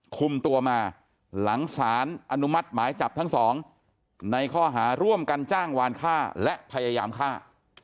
คุมตัวมาหลังสารอนุมัติหมายจับทั้งสองในข้อหาร่วมกันจ้างวานฆ่าและพยายามฆ่า